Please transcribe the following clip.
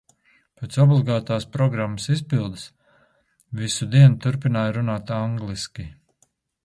Pēc obligātās programmas izpildes, visu dienu turpināja runāt angliski.